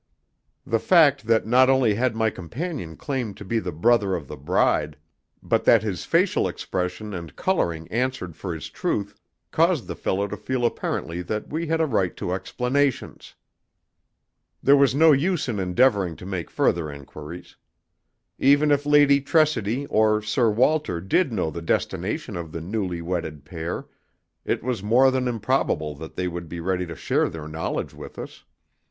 The fact that not only had my companion claimed to be the brother of the bride, but that his facial expression and colouring answered for his truth, caused the fellow to feel apparently that we had a right to explanations. There was no use in endeavouring to make further enquiries. Even if Lady Tressidy or Sir Walter did know the destination of the newly wedded pair, it was more than improbable that they would be ready to share their knowledge with us.